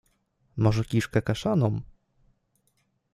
Może kiszkę kaszaną?